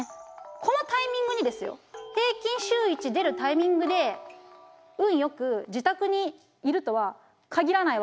このタイミングにですよ平均週１出るタイミングで運よく自宅にいるとは限らないわけですよ。